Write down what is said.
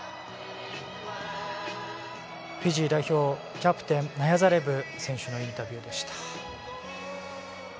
フィジー代表キャプテン、ナヤザレブ選手のインタビューでした。